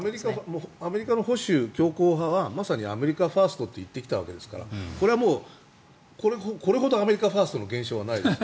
アメリカの保守強硬派はまさにアメリカファーストと言ってきたわけですからこれほどアメリカファーストの現象はないですよ。